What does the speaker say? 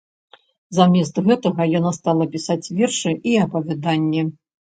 Замест гэтага яна стала пісаць вершы і апавяданні.